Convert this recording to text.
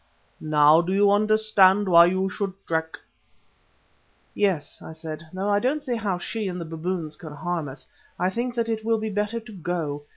Now do you understand why you should trek?" "Yes," I said, "though I don't see how she and the baboons can harm us, I think that it will be better to go.